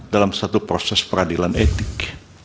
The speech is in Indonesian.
dalam satu proses peradilan etik